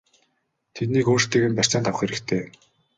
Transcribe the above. Тэднийг өөрсдийг нь барьцаанд авах хэрэгтэй!!!